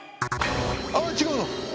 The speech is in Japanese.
あっ違うの？